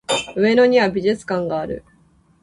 上野には美術館がある